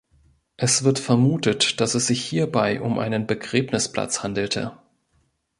Es wird vermutet, dass es sich hierbei um einen Begräbnisplatz handelte.